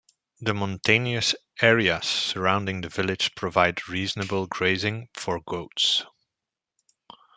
The mountainous areas surrounding the village provide reasonable grazing for goats.